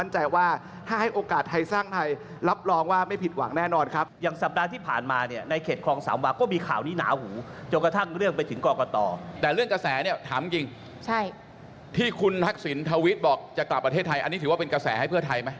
อันนี้กระแสดีหรือกระแสไม่ดีหรือชอบหรือไม่ชอบ